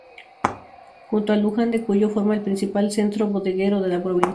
Junto a Luján de Cuyo, forma el principal centro bodeguero de la provincia.